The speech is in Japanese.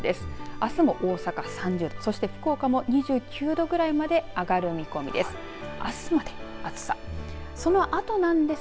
あすも大阪、３０度そして、福岡も２９度ぐらいまで上がる見込みです。